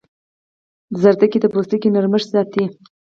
ګازرې د پوستکي نرمښت ساتي.